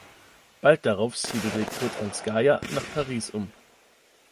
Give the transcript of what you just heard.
Bald darauf siedelte Kodrjanskaja nach Paris um.